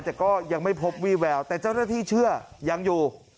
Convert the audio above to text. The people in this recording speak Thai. แต่ก็ยังไม่พบวี่แววแต่เจ้าหน้าที่เชื่อยังอยู่